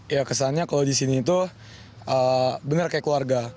ya kesannya kalau disini tuh bener kayak keluarga